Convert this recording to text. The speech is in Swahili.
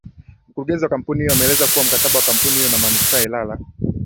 Mkurugenzi wa Kampuni hiyo ameeleza kuwa mkataba wa kampuni hiyo na Manispaa ya Ilala